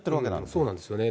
そうなんですよね。